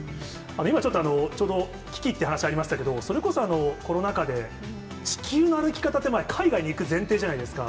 今、ちょっと、危機って話ありましたけど、それこそ、コロナ禍で地球の歩き方って、海外に行く前提じゃないですか。